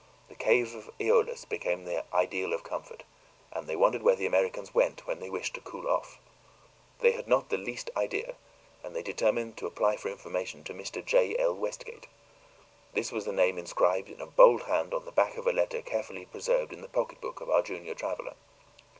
The cave of Aeolus became their ideal of comfort, and they wondered where the Americans went when they wished to cool off. They had not the least idea, and they determined to apply for information to Mr. J. L. Westgate. This was the name inscribed in a bold hand on the back of a letter carefully preserved in the pocketbook of our junior traveler.